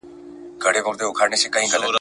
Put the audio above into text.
خو ارزښت یې ډېر دی.